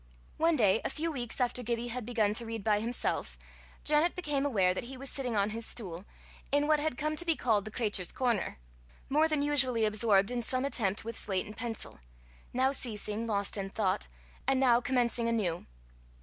One day, a few weeks after Gibbie had begun to read by himself, Janet became aware that he was sitting on his stool, in what had come to be called the cratur's corner, more than usually absorbed in some attempt with slate and pencil now ceasing, lost in thought, and now commencing anew.